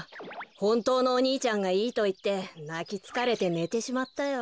ほんとうのお兄ちゃんがいいといってなきつかれてねてしまったよ。